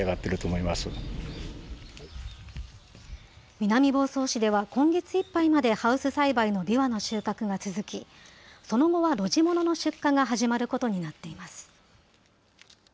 南房総市では、今月いっぱいまでハウス栽培のびわの収穫が続き、その後は露地物の出荷が始まることになっています。